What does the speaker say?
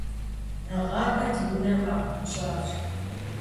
Нэгъабэ ди унэр къахъунщӏащ.